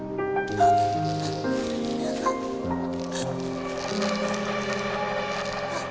あっあっ